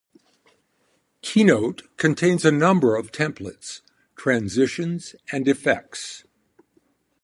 Keynote contains a number of templates, transitions, and effects.